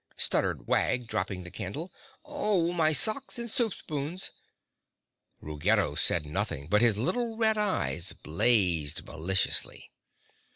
stuttered Wag, dropping the candle. "Oh, my socks and soup spoons!" Ruggedo said nothing, but his little red eyes blazed maliciously.